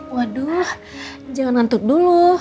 waduh jangan ngantuk dulu